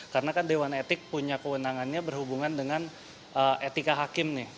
karena kan dewan etik punya kewenangannya berhubungan dengan etika hakim nih